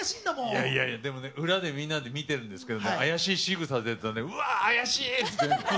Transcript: いやいやいや、でもね、裏でみんなで見てるんですけども、怪しいしぐさ出ると、うわー、怪しいって。